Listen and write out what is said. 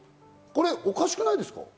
これおかしくないですか？